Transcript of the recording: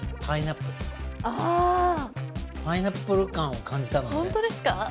パイナップル感を感じたのでホントですか？